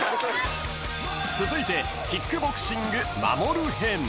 ［続いてキックボクシング守る編］